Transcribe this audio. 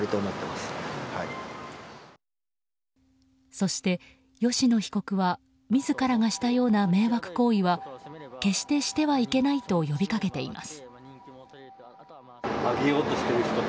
そして、吉野被告は自らがしたような迷惑行為は決して、してはいけないと呼びかけています。